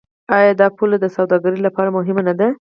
آیا دا پوله د سوداګرۍ لپاره مهمه نه ده؟